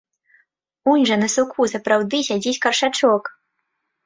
Унь жа на суку сапраўды сядзіць каршачок!